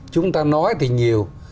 chúng ta nói thì nhiều